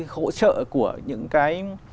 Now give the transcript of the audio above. hỗ trợ của những cái